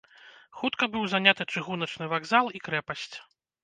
Хутка быў заняты чыгуначны вакзал і крэпасць.